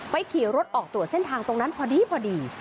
ขี่รถออกตรวจเส้นทางตรงนั้นพอดีพอดี